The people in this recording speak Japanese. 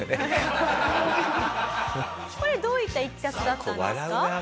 これどういったいきさつだったんですか？